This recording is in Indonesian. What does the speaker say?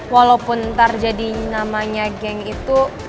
walaupun ntar jadi namanya geng itu